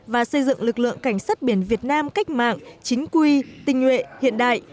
và xây dựng lực lượng cảnh sát biển việt nam cách mạng chính quy tình nguyện hiện đại